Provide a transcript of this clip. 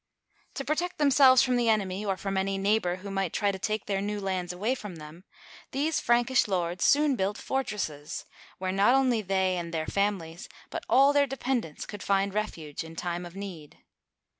To protect themselves from the enemy, or from any neighbor who might try to take their new lands away from them, these Frankish lords soon built fortresses, where not only they and their families, but all their depend ents, could find refuge in time of need.